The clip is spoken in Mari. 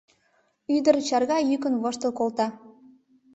Ӱдыр чарга йӱкын воштыл колта.